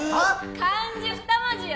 漢字二文字よ